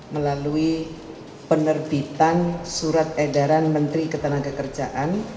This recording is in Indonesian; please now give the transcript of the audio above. melalui penerbitan surat edaran menteri ketenagakerjaan